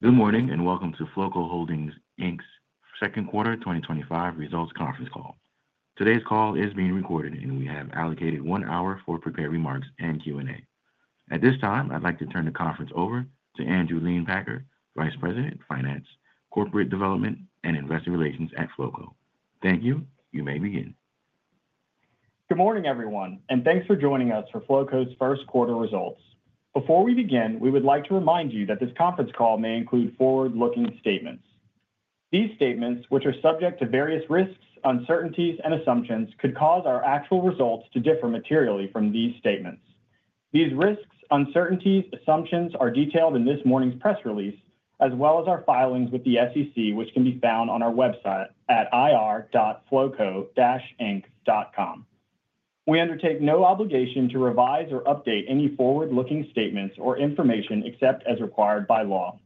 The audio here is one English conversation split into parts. Good morning and welcome to Flowco Holdings Inc.'s second quarter 2025 results conference call. Today's call is being recorded, and we have allocated one hour for prepared remarks and Q&A. At this time, I'd like to turn the conference over to Andrew Leonpacher, Vice President, Finance, Corporate Development, and Investor Relations at Flowco. Thank you. You may begin. Good morning, everyone, and thanks for joining us for Flowco Holdings Inc.'s first quarter results. Before we begin, we would like to remind you that this conference call may include forward-looking statements. These statements, which are subject to various risks, uncertainties, and assumptions, could cause our actual results to differ materially from these statements. These risks, uncertainties, and assumptions are detailed in this morning's press release, as well as our filings with the SEC, which can be found on our website at ir.flowco-inc.com. We undertake no obligation to revise or update any forward-looking statements or information except as required by law.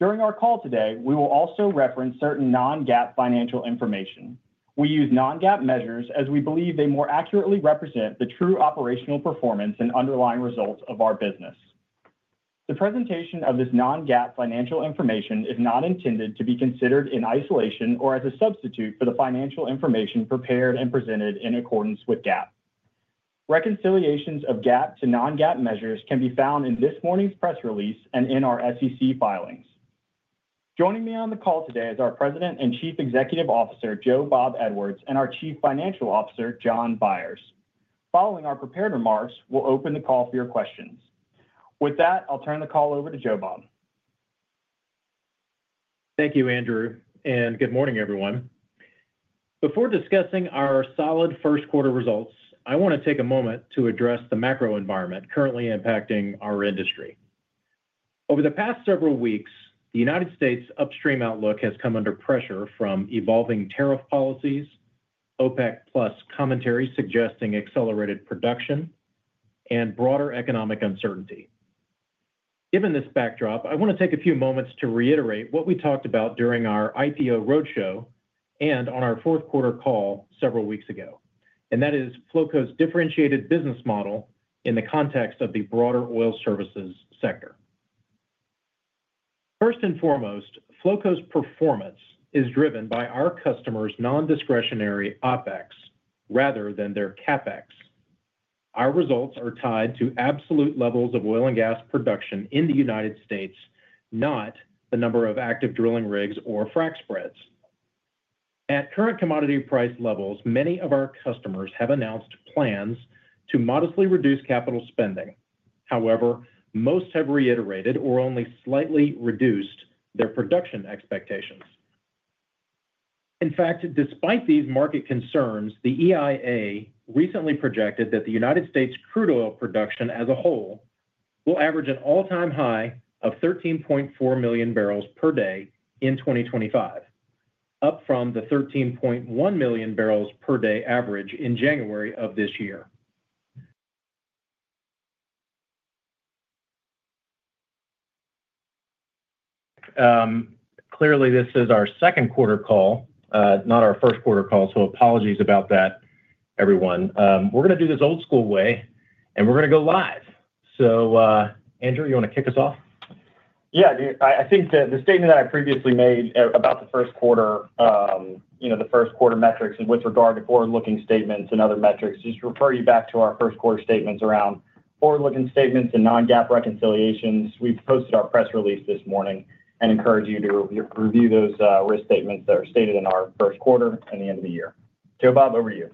During our call today, we will also reference certain non-GAAP financial information. We use non-GAAP measures as we believe they more accurately represent the true operational performance and underlying results of our business. The presentation of this non-GAAP financial information is not intended to be considered in isolation or as a substitute for the financial information prepared and presented in accordance with GAAP. Reconciliations of GAAP to non-GAAP measures can be found in this morning's press release and in our SEC filings. Joining me on the call today are our President and Chief Executive Officer, Joe Bob Edwards, and our Chief Financial Officer, Jon Byers. Following our prepared remarks, we'll open the call for your questions. With that, I'll turn the call over to Joe Bob. Thank you, Andrew, and good morning, everyone. Before discussing our solid first quarter results, I want to take a moment to address the macro environment currently impacting our industry. Over the past several weeks, the U.S. upstream outlook has come under pressure from evolving tariff policies, OPEC+ commentary suggesting accelerated production, and broader economic uncertainty. Given this backdrop, I want to take a few moments to reiterate what we talked about during our IPO roadshow and on our fourth quarter call several weeks ago, and that is Flowco's differentiated business model in the context of the broader oil services sector. First and foremost, Flowco's performance is driven by our customers' non-discretionary OPEX rather than their CAPEX. Our results are tied to absolute levels of oil and gas production in the U.S., not the number of active drilling rigs or frac spreads. At current commodity price levels, many of our customers have announced plans to modestly reduce capital spending. However, most have reiterated or only slightly reduced their production expectations. In fact, despite these market concerns, the EIA recently projected that the U.S. crude oil production as a whole will average an all-time high of 13.4 million barrels per day in 2025, up from the 13.1 million barrels per day average in January of this year. Clearly, this is our second quarter call, not our first quarter call, so apologies about that, everyone. We're going to do this old school way, and we're going to go live. Andrew, you want to kick us off? Yeah, I think the statement that I previously made about the first quarter, the first quarter metrics and with regard to forward-looking statements and other metrics, just refer you back to our first quarter statements around forward-looking statements and non-GAAP reconciliations. We've posted our press release this morning and encourage you to review those risk statements that are stated in our first quarter and the end of the year. Joe Bob, over to you.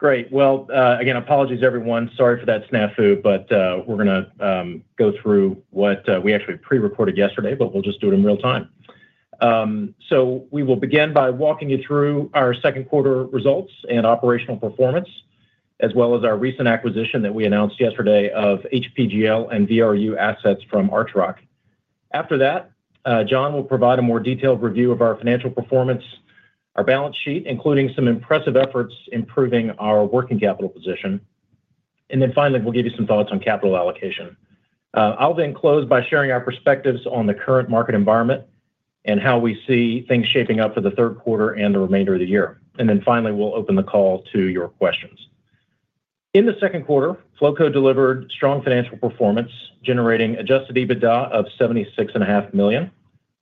Great. Again, apologies, everyone. Sorry for that snafu, but we're going to go through what we actually pre-recorded yesterday, but we'll just do it in real time. We will begin by walking you through our second quarter results and operational performance, as well as our recent acquisition that we announced yesterday of high-pressure gas lift and vapor recovery unit assets from ArchRock. After that, Jon will provide a more detailed review of our financial performance and our balance sheet, including some impressive efforts improving our working capital position. Finally, we'll give you some thoughts on capital allocation. I'll then close by sharing our perspectives on the current market environment and how we see things shaping up for the third quarter and the remainder of the year. Finally, we'll open the call to your questions. In the second quarter, Flowco delivered strong financial performance, generating adjusted EBITDA of $76.5 million,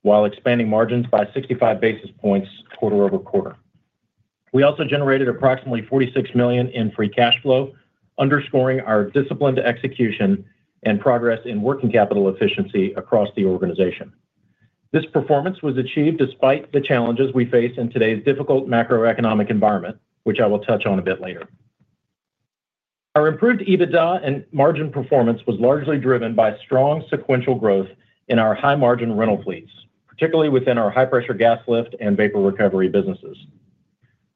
while expanding margins by 65 basis points, quarter-over-quarter. We also generated approximately $46 million in free cash flow, underscoring our disciplined execution and progress in working capital efficiency across the organization. This performance was achieved despite the challenges we faced in today's difficult macroeconomic environment, which I will touch on a bit later. Our improved EBITDA and margin performance was largely driven by strong sequential growth in our high-margin rental fleets, particularly within our high-pressure gas lift and vapor recovery businesses.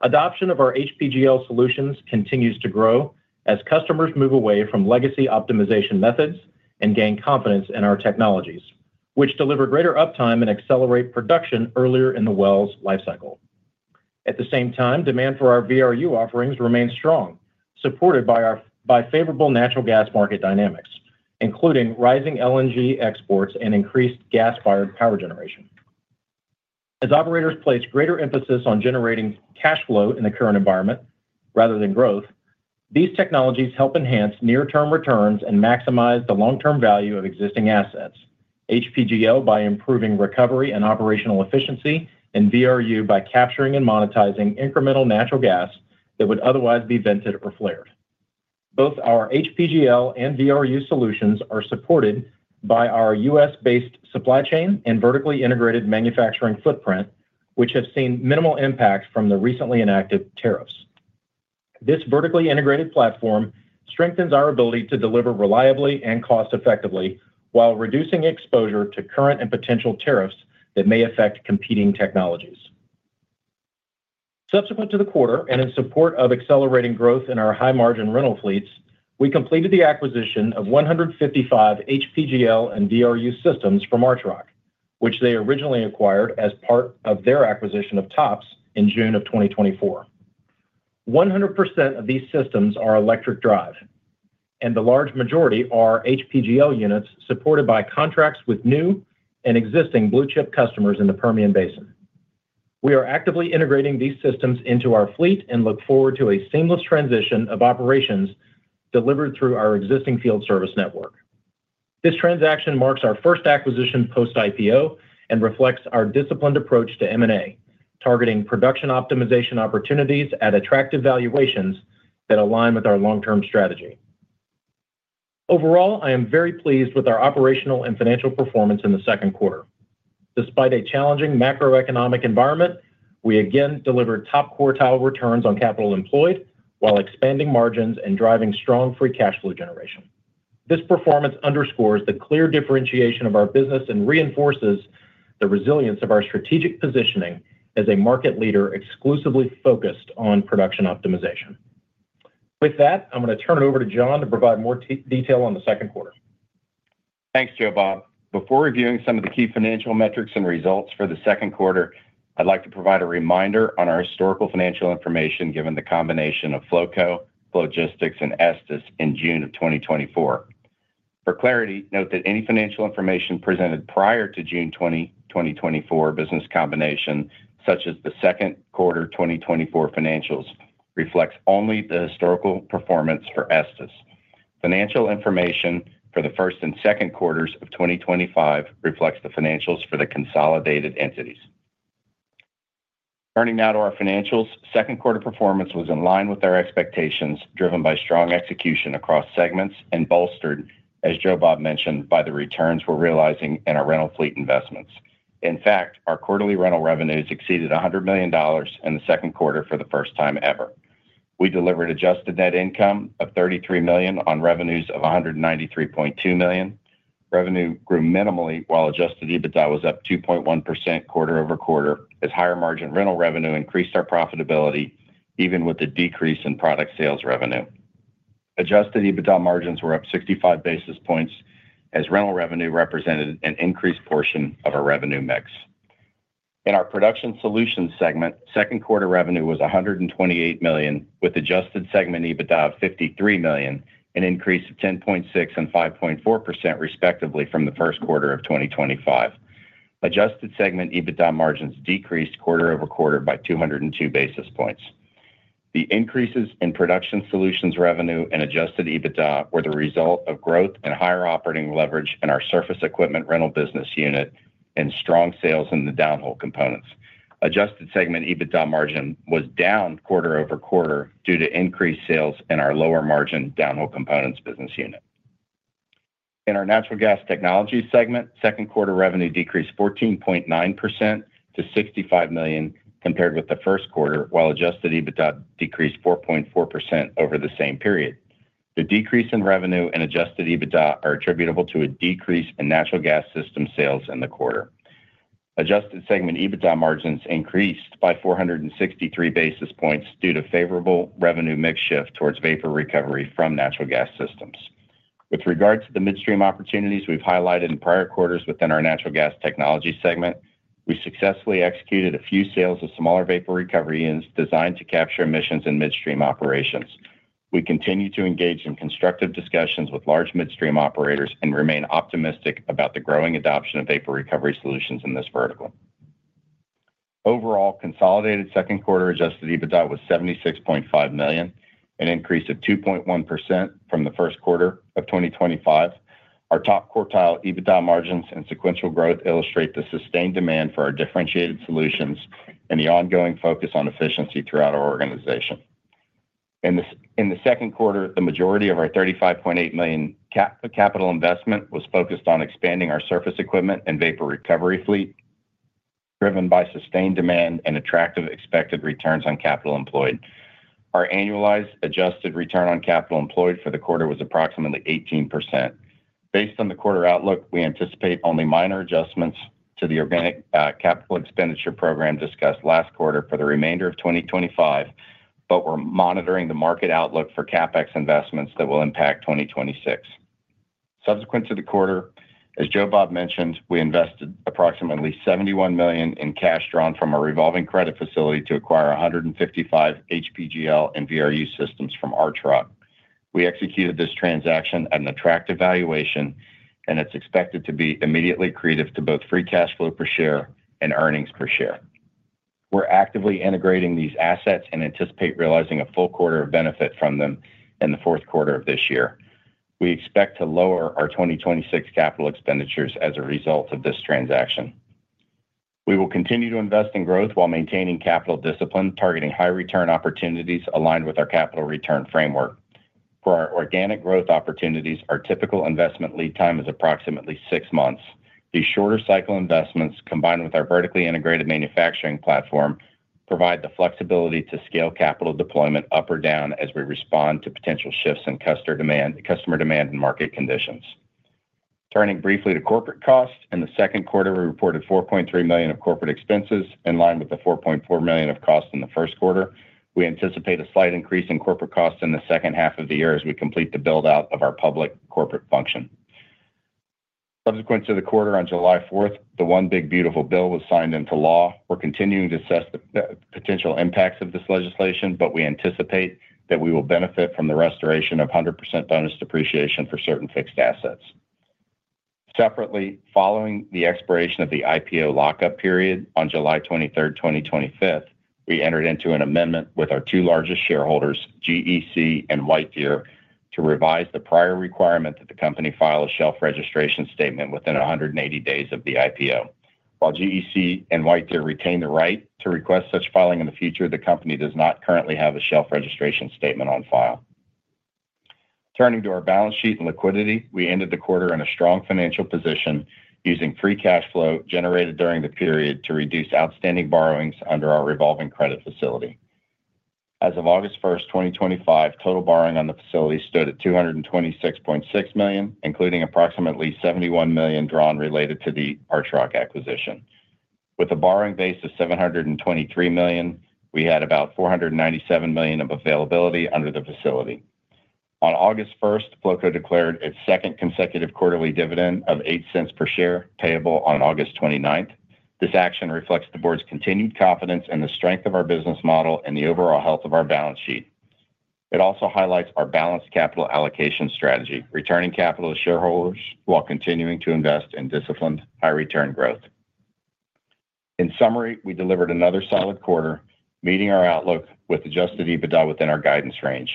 Adoption of our high-pressure gas lift solutions continues to grow as customers move away from legacy optimization methods and gain confidence in our technologies, which deliver greater uptime and accelerate production earlier in the well's lifecycle. At the same time, demand for our vapor recovery unit offerings remains strong, supported by favorable natural gas market dynamics, including rising LNG exports and increased gas-fired power generation. As operators place greater emphasis on generating cash flow in the current environment rather than growth, these technologies help enhance near-term returns and maximize the long-term value of existing assets, high-pressure gas lift by improving recovery and operational efficiency, and vapor recovery unit by capturing and monetizing incremental natural gas that would otherwise be vented or flared. Both our HPGL and VRU solutions are supported by our U.S.-based supply chain and vertically integrated manufacturing footprint, which have seen minimal impact from the recently enacted tariffs. This vertically integrated platform strengthens our ability to deliver reliably and cost-effectively while reducing exposure to current and potential tariffs that may affect competing technologies. Subsequent to the quarter, in support of accelerating growth in our high-margin rental fleets, we completed the acquisition of 155 HPGL and VRU systems from ArchRock, which they originally acquired as part of their acquisition of TOPS in June of 2024. 100% of these systems are electric drive, and the large majority are HPGL units supported by contracts with new and existing blue chip customers in the Permian Basin. We are actively integrating these systems into our fleet and look forward to a seamless transition of operations delivered through our existing field service network. This transaction marks our first acquisition post-IPO and reflects our disciplined approach to M&A, targeting production optimization opportunities at attractive valuations that align with our long-term strategy. Overall, I am very pleased with our operational and financial performance in the second quarter. Despite a challenging macroeconomic environment, we again delivered top quartile returns on capital employed while expanding margins and driving strong free cash flow generation. This performance underscores the clear differentiation of our business and reinforces the resilience of our strategic positioning as a market leader exclusively focused on production optimization. With that, I'm going to turn it over to Jon to provide more detail on the second quarter. Thanks, Joe Bob. Before reviewing some of the key financial metrics and results for the second quarter, I'd like to provide a reminder on our historical financial information given the combination of Flowco, Flow Logistics, and Estes in June of 2024. For clarity, note that any financial information presented prior to the June 20, 2024 business combination, such as the second quarter 2024 financials, reflects only the historical performance for Estes. Financial information for the first and second quarters of 2025 reflects the financials for the consolidated entities. Turning now to our financials, second quarter performance was in line with our expectations, driven by strong execution across segments and bolstered, as Joe Bob mentioned, by the returns we're realizing in our rental fleet investments. In fact, our quarterly rental revenues exceeded $100 million in the second quarter for the first time ever. We delivered adjusted net income of $33 million on revenues of $193.2 million. Revenue grew minimally while adjusted EBITDA was up 2.1% quarter-over-quarter, as higher margin rental revenue increased our profitability even with a decrease in product sales revenue. Adjusted EBITDA margins were up 65 basis points, as rental revenue represented an increased portion of our revenue mix. In our production solutions segment, second quarter revenue was $128 million, with adjusted segment EBITDA of $53 million, an increase of 10.6% and 5.4% respectively from the first quarter of 2025. Adjusted segment EBITDA margins decreased quarter-over-quarter by 202 basis points. The increases in production solutions revenue and adjusted EBITDA were the result of growth and higher operating leverage in our surface equipment rental business unit and strong sales in the downhole components. Adjusted segment EBITDA margin was down quarter-over-quarter due to increased sales in our lower margin downhole components business unit. In our natural gas technology segment, second quarter revenue decreased 14.9% to $65 million compared with the first quarter, while adjusted EBITDA decreased 4.4% over the same period. The decrease in revenue and adjusted EBITDA are attributable to a decrease in natural gas system sales in the quarter. Adjusted segment EBITDA margins increased by 463 basis points due to favorable revenue mix shift towards vapor recovery from natural gas systems. With regards to the midstream opportunities we've highlighted in prior quarters within our natural gas technology segment, we successfully executed a few sales of smaller vapor recovery units designed to capture emissions in midstream operations. We continue to engage in constructive discussions with large midstream operators and remain optimistic about the growing adoption of vapor recovery solutions in this vertical. Overall, consolidated second quarter adjusted EBITDA was $76.5 million, an increase of 2.1% from the first quarter of 2025. Our top quartile EBITDA margins and sequential growth illustrate the sustained demand for our differentiated solutions and the ongoing focus on efficiency throughout our organization. In the second quarter, the majority of our $35.8 million capital investment was focused on expanding our surface equipment and vapor recovery fleet, driven by sustained demand and attractive expected returns on capital employed. Our annualized adjusted return on capital employed for the quarter was approximately 18%. Based on the quarter outlook, we anticipate only minor adjustments to the organic capital expenditure program discussed last quarter for the remainder of 2025, but we're monitoring the market outlook for CAPEX investments that will impact 2026. Subsequent to the quarter, as Joe Bob Edwards mentioned, we invested approximately $71 million in cash drawn from a revolving credit facility to acquire 155 HPGL and VRU systems from ArchRock. We executed this transaction at an attractive valuation, and it's expected to be immediately accretive to both free cash flow per share and earnings per share. We're actively integrating these assets and anticipate realizing a full quarter of benefit from them in the fourth quarter of this year. We expect to lower our 2026 capital expenditures as a result of this transaction. We will continue to invest in growth while maintaining capital discipline, targeting high return opportunities aligned with our capital return framework. For our organic growth opportunities, our typical investment lead time is approximately six months. These shorter cycle investments, combined with our vertically integrated manufacturing platform, provide the flexibility to scale capital deployment up or down as we respond to potential shifts in customer demand and market conditions. Turning briefly to corporate costs, in the second quarter, we reported $4.3 million of corporate expenses in line with the $4.4 million of costs in the first quarter. We anticipate a slight increase in corporate costs in the second half of the year as we complete the build-out of our public corporate function. Subsequent to the quarter, on July 4th, the One Big Beautiful Bill was signed into law. We're continuing to assess the potential impacts of this legislation, but we anticipate that we will benefit from the restoration of 100% bonus depreciation for certain fixed assets. Separately, following the expiration of the IPO lockup period on July 23rd, 2025, we entered into an amendment with our two largest shareholders, GEC and Whitefield, to revise the prior requirement that the company file a shelf registration statement within 180 days of the IPO. While GEC and Whitefield retain the right to request such filing in the future, the company does not currently have a shelf registration statement on file. Turning to our balance sheet and liquidity, we ended the quarter in a strong financial position using free cash flow generated during the period to reduce outstanding borrowings under our revolving credit facility. As of August 1st, 2025, total borrowing on the facility stood at $226.6 million, including approximately $71 million drawn related to the ArchRock acquisition. With a borrowing base of $723 million, we had about $497 million of availability under the facility. On August 1st, Flowco declared its second consecutive quarterly dividend of $0.08 per share payable on August 29th. This action reflects the board's continued confidence in the strength of our business model and the overall health of our balance sheet. It also highlights our balanced capital allocation strategy, returning capital to shareholders while continuing to invest in disciplined, high-return growth. In summary, we delivered another solid quarter, meeting our outlook with adjusted EBITDA within our guidance range.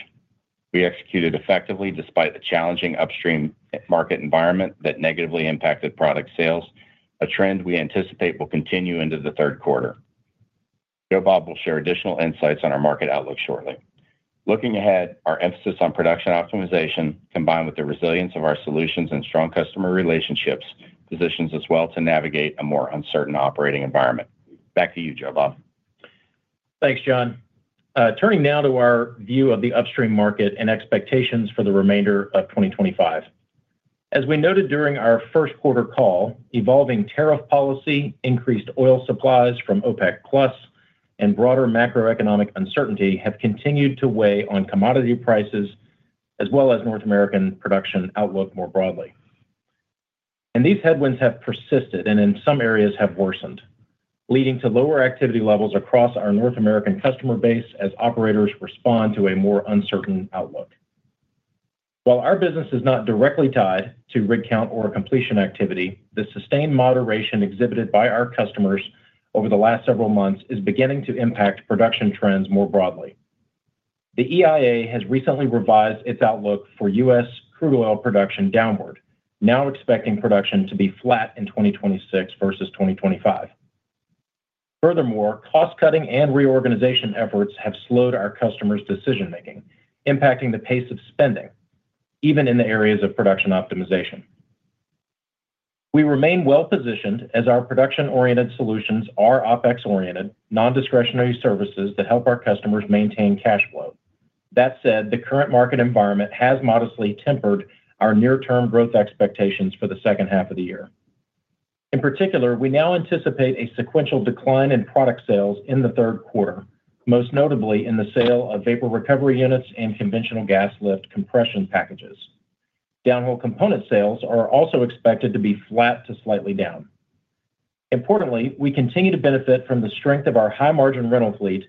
We executed effectively despite the challenging upstream market environment that negatively impacted product sales, a trend we anticipate will continue into the third quarter. Joe Bob will share additional insights on our market outlook shortly. Looking ahead, our emphasis on production optimization, combined with the resilience of our solutions and strong customer relationships, positions us well to navigate a more uncertain operating environment. Back to you, Joe Bob. Thanks, Jon. Turning now to our view of the upstream market and expectations for the remainder of 2025. As we noted during our first quarter call, evolving tariff policy, increased oil supplies from OPEC+, and broader macroeconomic uncertainty have continued to weigh on commodity prices, as well as North American production outlook more broadly. These headwinds have persisted and in some areas have worsened, leading to lower activity levels across our North American customer base as operators respond to a more uncertain outlook. While our business is not directly tied to rig count or completion activity, the sustained moderation exhibited by our customers over the last several months is beginning to impact production trends more broadly. The EIA has recently revised its outlook for U.S. crude oil production downward, now expecting production to be flat in 2026 versus 2025. Furthermore, cost cutting and reorganization efforts have slowed our customers' decision-making, impacting the pace of spending, even in the areas of production optimization. We remain well-positioned as our production-oriented solutions are OPEX-oriented, non-discretionary services that help our customers maintain cash flow. That said, the current market environment has modestly tempered our near-term growth expectations for the second half of the year. In particular, we now anticipate a sequential decline in product sales in the third quarter, most notably in the sale of vapor recovery units and conventional gas lift compression packages. Downhole component sales are also expected to be flat to slightly down. Importantly, we continue to benefit from the strength of our high-margin rental fleet,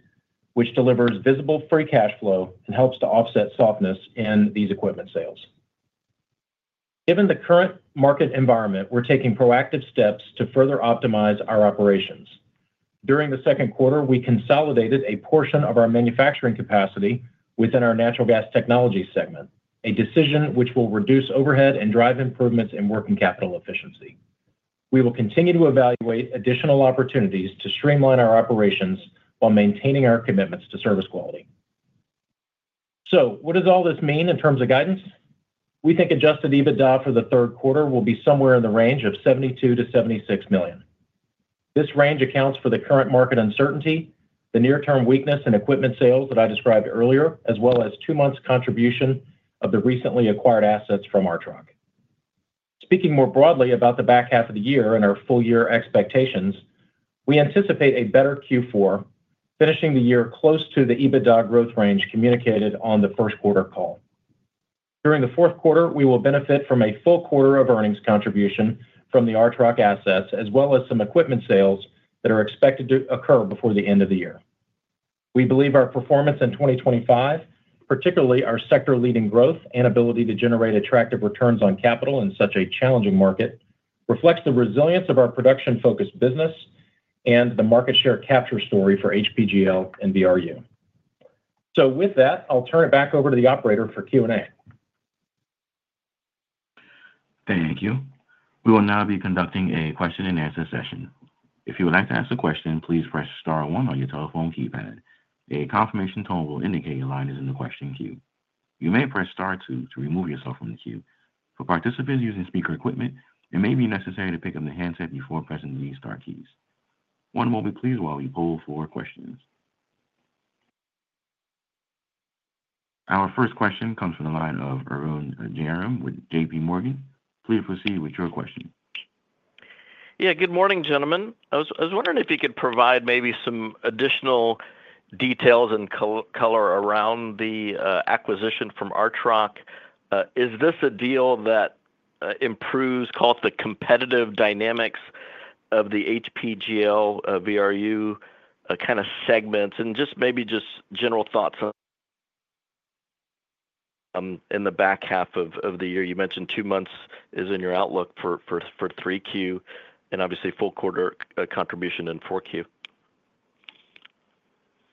which delivers visible free cash flow and helps to offset softness in these equipment sales. Given the current market environment, we're taking proactive steps to further optimize our operations. During the second quarter, we consolidated a portion of our manufacturing capacity within our natural gas technology segment, a decision which will reduce overhead and drive improvements in working capital efficiency. We will continue to evaluate additional opportunities to streamline our operations while maintaining our commitments to service quality. What does all this mean in terms of guidance? We think adjusted EBITDA for the third quarter will be somewhere in the range of $72 million- $76 million. This range accounts for the current market uncertainty, the near-term weakness in equipment sales that I described earlier, as well as two months' contribution of the recently acquired assets from ArchRock. Speaking more broadly about the back half of the year and our full-year expectations, we anticipate a better Q4, finishing the year close to the EBITDA growth range communicated on the first quarter call. During the fourth quarter, we will benefit from a full quarter of earnings contribution from the ArchRock assets, as well as some equipment sales that are expected to occur before the end of the year. We believe our performance in 2025, particularly our sector-leading growth and ability to generate attractive returns on capital in such a challenging market, reflects the resilience of our production-focused business and the market share capture story for HPGL and VRU. I'll turn it back over to the operator for Q&A. Thank you. We will now be conducting a question-and-answer session. If you would like to ask a question, please press star one on your telephone keypad. A confirmation tone will indicate your line is in the question queue. You may press star two to remove yourself from the queue. For participants using speaker equipment, it may be necessary to pick up the handset before pressing the star keys. One moment please while we pull forward questions. Our first question comes from the line of Arun Jayaram with J.P. Morgan. Please proceed with your question. Yeah, good morning, gentlemen. I was wondering if you could provide maybe some additional details and color around the acquisition from ArchRock. Is this a deal that improves, call it, the competitive dynamics of the HPGL, VRU kind of segments? Just maybe general thoughts on in the back half of the year. You mentioned two months is in your outlook for 3Q and obviously full quarter contribution in 4Q.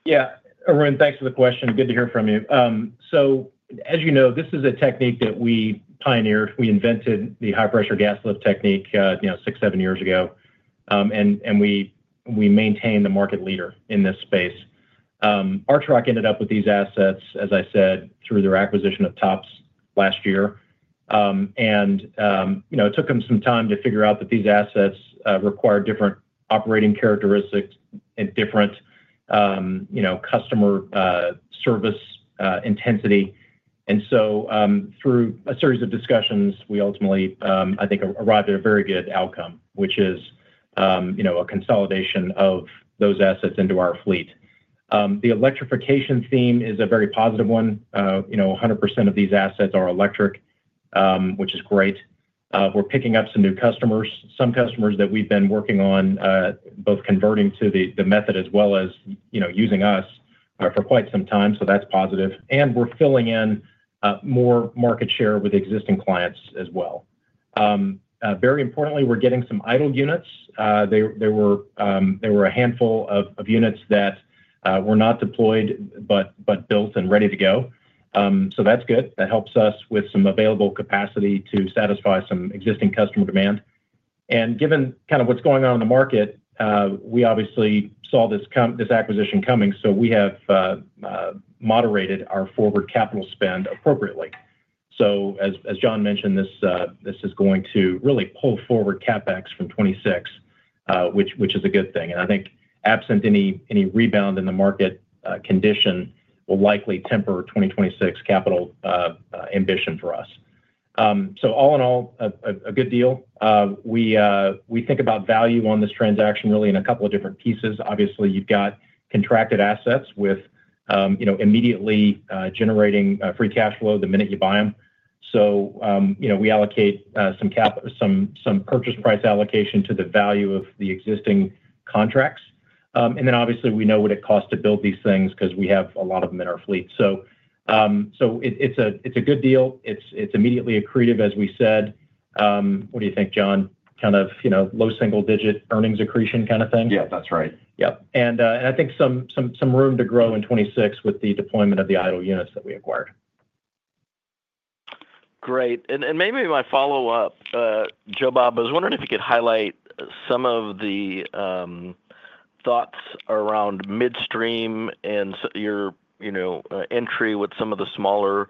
Yeah, Arun, thanks for the question. Good to hear from you. As you know, this is a technique that we pioneered. We invented the high-pressure gas lift technique, you know, six, seven years ago. We maintain the market leader in this space. ArchRock ended up with these assets, as I said, through their acquisition of TOPS last year. It took them some time to figure out that these assets required different operating characteristics and different customer service intensity. Through a series of discussions, we ultimately, I think, arrived at a very good outcome, which is a consolidation of those assets into our fleet. The electrification theme is a very positive one. 100% of these assets are electric, which is great. We're picking up some new customers, some customers that we've been working on both converting to the method as well as using us for quite some time. That's positive, and we're filling in more market share with existing clients as well. Very importantly, we're getting some idle units. There were a handful of units that were not deployed, but built and ready to go. That's good. That helps us with some available capacity to satisfy some existing customer demand. Given kind of what's going on in the market, we obviously saw this acquisition coming. We have moderated our forward capital spend appropriately. As Jon mentioned, this is going to really pull forward CAPEX from 2026, which is a good thing. I think absent any rebound in the market condition, it will likely temper 2026 capital ambition for us. All in all, a good deal. We think about value on this transaction really in a couple of different pieces. Obviously, you've got contracted assets with immediately generating free cash flow the minute you buy them. We allocate some purchase price allocation to the value of the existing contracts. Then obviously we know what it costs to build these things because we have a lot of them in our fleet. It's a good deal. It's immediately accretive, as we said. What do you think, Jon? Kind of, you know, low single-digit earnings accretion kind of thing? Yeah, that's right. I think some room to grow in 2026 with the deployment of the idle units that we acquired. Great. Maybe my follow-up, Joe Bob, I was wondering if you could highlight some of the thoughts around midstream and your entry with some of the smaller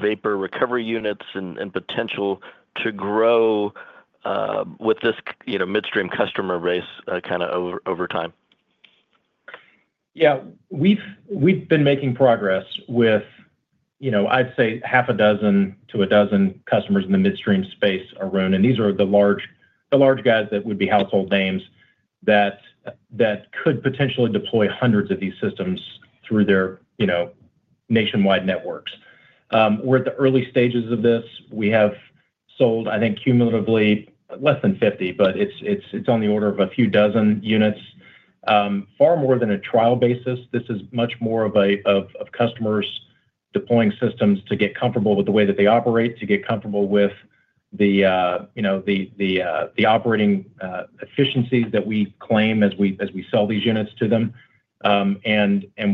vapor recovery units and potential to grow with this midstream customer base over time. Yeah, we've been making progress with, you know, I'd say half a dozen to a dozen customers in the midstream space, Arun. These are the large, the large guys that would be household names that could potentially deploy hundreds of these systems through their, you know, nationwide networks. We're at the early stages of this. We have sold, I think, cumulatively less than 50, but it's on the order of a few dozen units. Far more than a trial basis, this is much more of customers deploying systems to get comfortable with the way that they operate, to get comfortable with the operating efficiencies that we claim as we sell these units to them.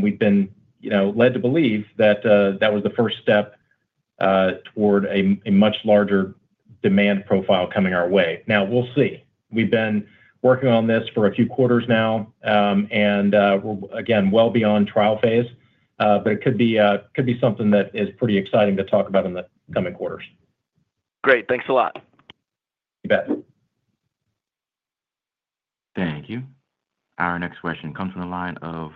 We've been led to believe that that was the first step toward a much larger demand profile coming our way. Now, we'll see. We've been working on this for a few quarters now, and we're again well beyond trial phase, but it could be something that is pretty exciting to talk about in the coming quarters. Great, thanks a lot. You bet. Thank you. Our next question comes from the line of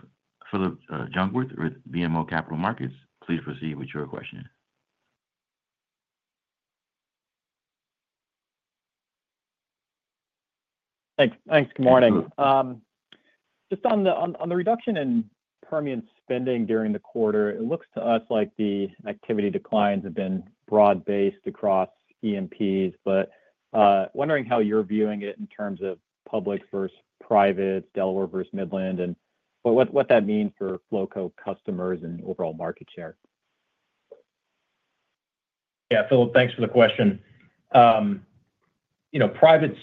Phillip Jungwirth with BMO Capital Markets. Please proceed with your question. Thanks. Good morning. Just on the reduction in Permian spending during the quarter, it looks to us like the activity declines have been broad-based across E&Ps, but wondering how you're viewing it in terms of public versus private, Delaware versus Midland, and what that means for Flowco customers and overall market share. Yeah, Phillip, thanks for the question. Privates,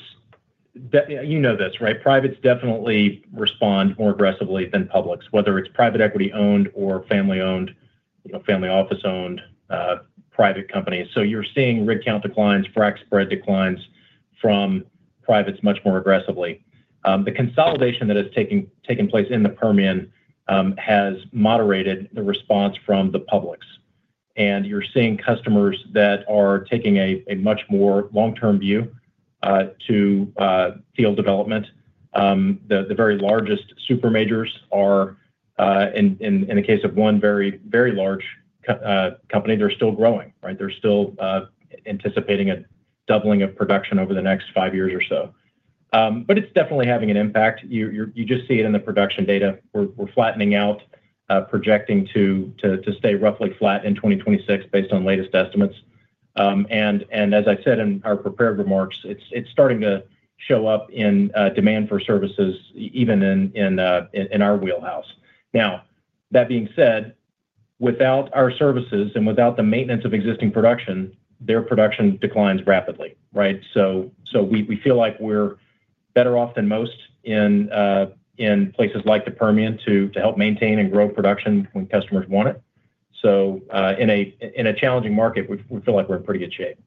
you know this, right? Privates definitely respond more aggressively than publics, whether it's private equity-owned or family office-owned private companies. You're seeing rig count declines, frac spread declines from privates much more aggressively. The consolidation that has taken place in the Permian has moderated the response from the publics, and you're seeing customers that are taking a much more long-term view to field development. The very largest super majors are, in the case of one very, very large company, they're still growing, right? They're still anticipating a doubling of production over the next five years or so. It's definitely having an impact. You just see it in the production data. We're flattening out, projecting to stay roughly flat in 2026 based on latest estimates. As I said in our prepared remarks, it's starting to show up in demand for services, even in our wheelhouse. That being said, without our services and without the maintenance of existing production, their production declines rapidly, right? We feel like we're better off than most in places like the Permian to help maintain and grow production when customers want it. In a challenging market, we feel like we're in pretty good shape.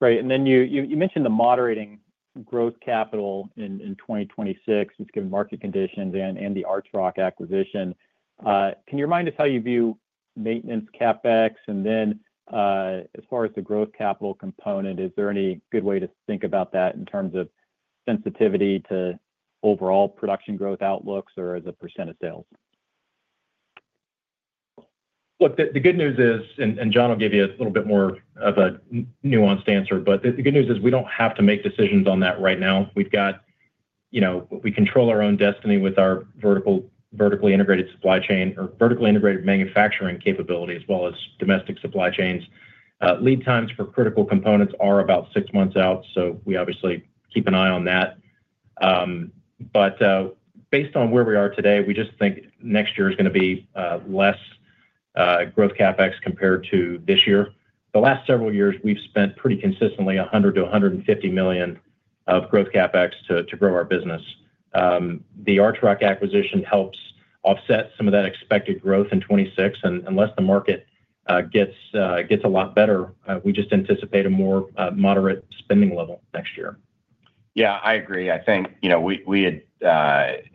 Right. You mentioned the moderating growth capital in 2026, just given market conditions and the ArchRock acquisition. Can you remind us how you view maintenance CAPEX? As far as the growth capital component, is there any good way to think about that in terms of sensitivity to overall production growth outlooks or as a percent of sales? Look, the good news is, and Jon will give you a little bit more of a nuanced answer, the good news is we don't have to make decisions on that right now. We've got, you know, we control our own destiny with our vertically integrated supply chain or vertically integrated manufacturing capabilities, as well as domestic supply chains. Lead times for critical components are about six months out, so we obviously keep an eye on that. Based on where we are today, we just think next year is going to be less growth CAPEX compared to this year. The last several years, we've spent pretty consistently $100 million- $150 million of growth CAPEX to grow our business. The ArchRock acquisition helps offset some of that expected growth in 2026, and unless the market gets a lot better, we just anticipate a more moderate spending level next year. Yeah, I agree. I think we had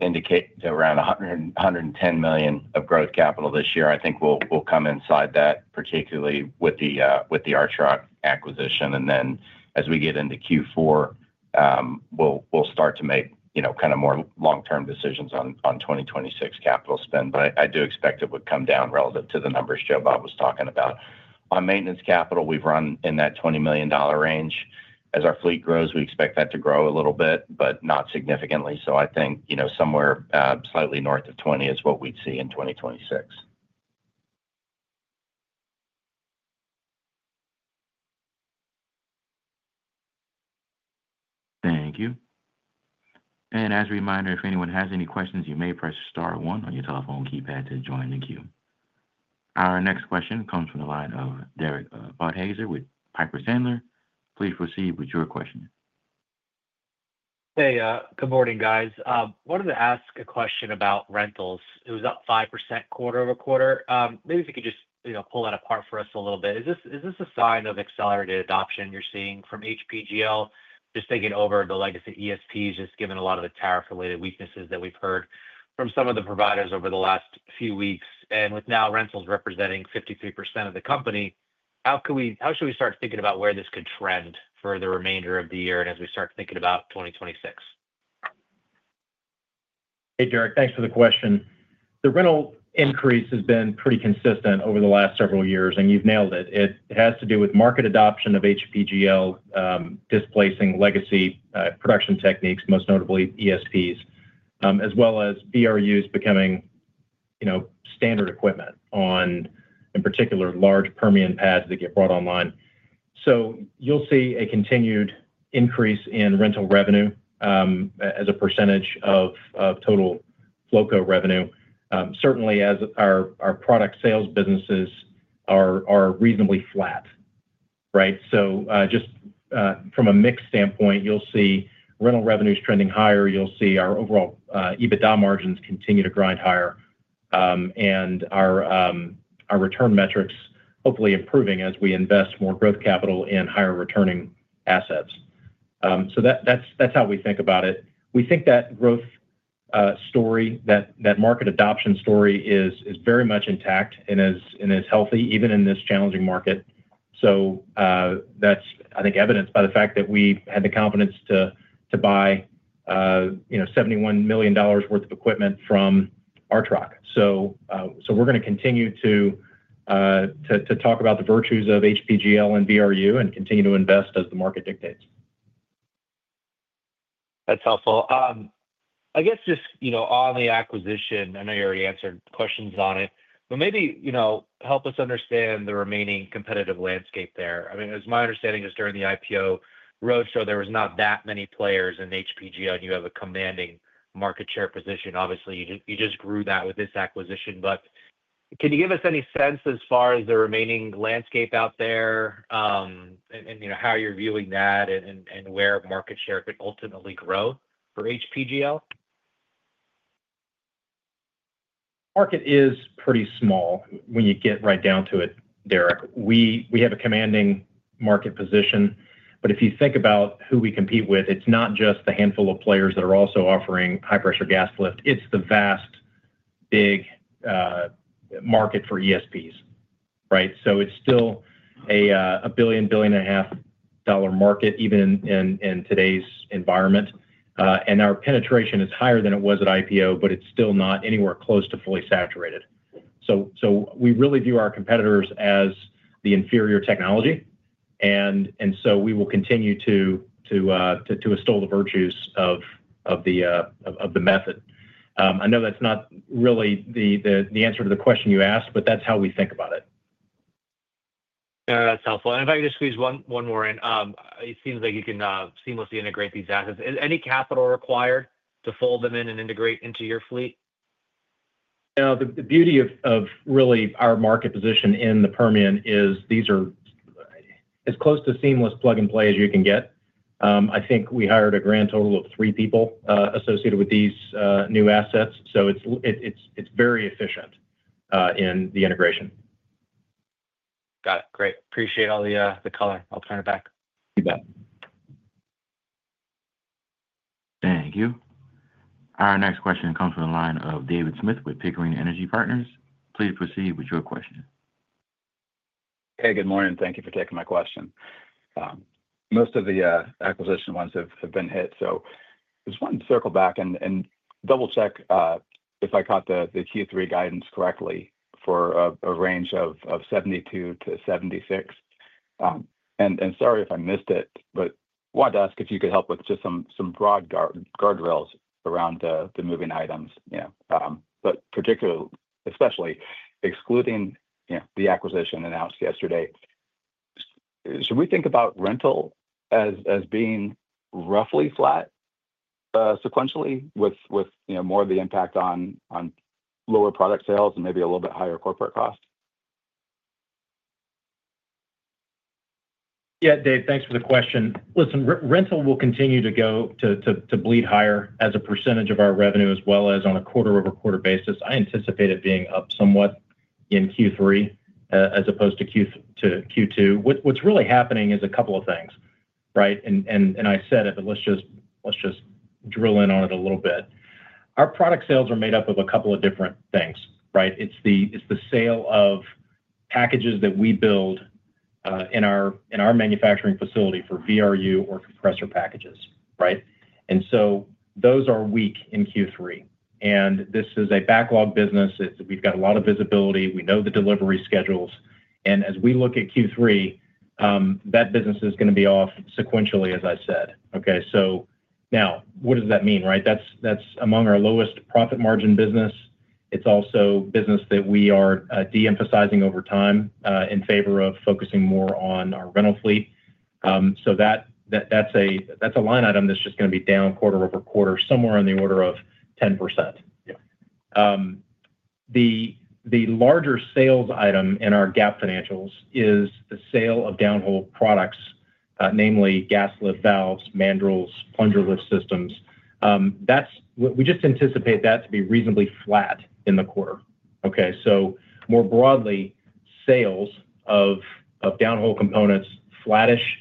indicated around $110 million of growth capital this year. I think we'll come inside that, particularly with the ArchRock acquisition. As we get into Q4, we'll start to make more long-term decisions on 2026 capital spend. I do expect it would come down relative to the numbers Joe Bob was talking about. On maintenance capital, we've run in that $20 million range. As our fleet grows, we expect that to grow a little bit, but not significantly. I think somewhere slightly north of $20 million is what we'd see in 2026. Thank you. As a reminder, if anyone has any questions, you may press star one on your telephone keypad to join the queue. Our next question comes from the line of Derek Podhaizer with Piper Sandler. Please proceed with your question. Hey, good morning, guys. I wanted to ask a question about rentals. It was up 5% quarter-over-quarter. Maybe if you could just, you know, pull that apart for us a little bit. Is this a sign of accelerated adoption you're seeing from HPGL? Just thinking over the legacy ESPs, just given a lot of the tariff-related weaknesses that we've heard from some of the providers over the last few weeks. With now rentals representing 53% of the company, how should we start thinking about where this could trend for the remainder of the year and as we start thinking about 2026? Hey, Derek, thanks for the question. The rental increase has been pretty consistent over the last several years, and you've nailed it. It has to do with market adoption of HPGL, displacing legacy production techniques, most notably ESPs, as well as VRUs becoming standard equipment on, in particular, large Permian pads that get brought online. You'll see a continued increase in rental revenue as a percentage of total local revenue. Certainly, as our product sales businesses are reasonably flat, right? Just from a mix standpoint, you'll see rental revenues trending higher. You'll see our overall EBITDA margins continue to grind higher, and our return metrics hopefully improving as we invest more growth capital in higher returning assets. That's how we think about it. We think that growth story, that market adoption story is very much intact and is healthy, even in this challenging market. I think that's evidenced by the fact that we had the confidence to buy $71 million worth of equipment from ArchRock. We're going to continue to talk about the virtues of HPGL and VRU and continue to invest as the market dictates. That's helpful. I guess just, you know, on the acquisition, I know you already answered questions on it, but maybe, you know, help us understand the remaining competitive landscape there. I mean, it was my understanding just during the IPO roadshow, there were not that many players in HPGL, and you have a commanding market share position. Obviously, you just grew that with this acquisition. Can you give us any sense as far as the remaining landscape out there, and you know, how you're viewing that and where market share could ultimately grow for HPGL? Market is pretty small when you get right down to it, Derek. We have a commanding market position, but if you think about who we compete with, it's not just the handful of players that are also offering high-pressure gas lift. It's the vast, big market for ESPs, right? It's still a billion, billion and a half dollar market, even in today's environment. Our penetration is higher than it was at IPO, but it's still not anywhere close to fully saturated. We really view our competitors as the inferior technology, and we will continue to instill the virtues of the method. I know that's not really the answer to the question you asked, but that's how we think about it. That's helpful. If I could just squeeze one more in, it seems like you can seamlessly integrate these assets. Is any capital required to fold them in and integrate into your fleet? The beauty of really our market position in the Permian is these are as close to seamless plug and play as you can get. I think we hired a grand total of three people associated with these new assets, so it's very efficient in the integration. Got it. Great. Appreciate all the color. I'll turn it back. Thank you. Our next question comes from the line of David Smith with Pickering Energy Partners. Please proceed with your question. Hey, good morning. Thank you for taking my question. Most of the acquisition ones have been hit. I just wanted to circle back and double-check if I caught the Q3 guidance correctly for a range of $72-$76. Sorry if I missed it, but I wanted to ask if you could help with just some broad guardrails around the moving items, particularly, especially excluding the acquisition announced yesterday. Should we think about rental as being roughly flat sequentially with more of the impact on lower product sales and maybe a little bit higher corporate cost? Yeah, Dave, thanks for the question. Listen, rental will continue to go to bleed higher as a percentage of our revenue, as well as on a quarter-over-quarter basis. I anticipate it being up somewhat in Q3 as opposed to Q2. What's really happening is a couple of things, right? I said it, but let's just drill in on it a little bit. Our product sales are made up of a couple of different things, right? It's the sale of packages that we build in our manufacturing facility for vapor recovery unit or compressor packages, right? Those are weak in Q3. This is a backlog business. We've got a lot of visibility. We know the delivery schedules. As we look at Q3, that business is going to be off sequentially, as I said. Now, what does that mean, right? That's among our lowest profit margin business. It's also a business that we are de-emphasizing over time in favor of focusing more on our rental fleet. That's a line item that's just going to be down quarter-over-quarter, somewhere in the order of 10%. The larger sales item in our GAAP financials is the sale of downhole products, namely gas lift valves, mandrels, plunger lift systems. We just anticipate that to be reasonably flat in the quarter. More broadly, sales of downhole components, flattish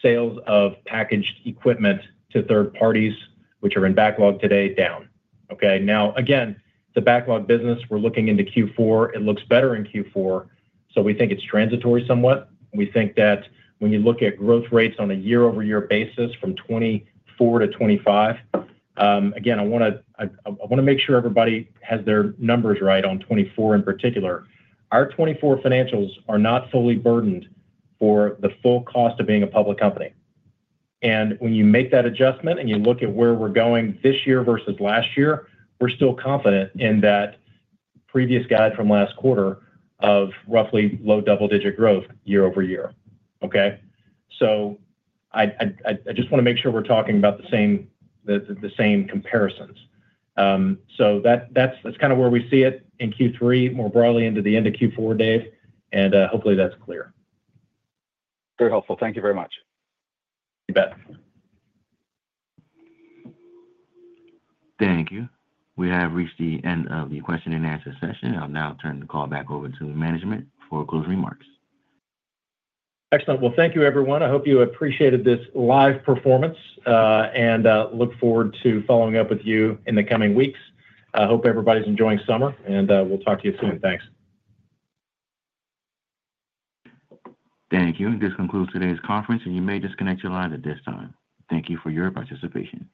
sales of packaged equipment to third parties, which are in backlog today, down. Now, again, the backlog business we're looking into Q4, it looks better in Q4. We think it's transitory somewhat. We think that when you look at growth rates on a year-over-year basis from 2024 to 2025, again, I want to make sure everybody has their numbers right on 2024 in particular. Our 2024 financials are not fully burdened for the full cost of being a public company. When you make that adjustment and you look at where we're going this year versus last year, we're still confident in that previous guide from last quarter of roughly low double-digit growth year-over-year. I just want to make sure we're talking about the same comparisons. That's kind of where we see it in Q3, more broadly into the end of Q4, Dave, and hopefully that's clear. Very helpful. Thank you very much. You bet. Thank you. We have reached the end of the question-and-answer session. I'll now turn the call back over to the management for closing remarks. Excellent. Thank you, everyone. I hope you appreciated this live performance and look forward to following up with you in the coming weeks. I hope everybody's enjoying summer, and we'll talk to you soon. Thanks. Thank you. This concludes today's conference, and you may disconnect your line at this time. Thank you for your participation.